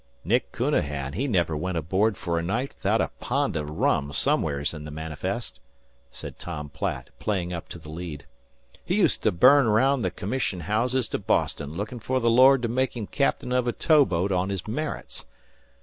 "Nick Counahan he never went aboard fer a night 'thout a pond o' rum somewheres in the manifest," said Tom Platt, playing up to the lead. "He used to bum araound the c'mission houses to Boston lookin' fer the Lord to make him captain of a tow boat on his merits.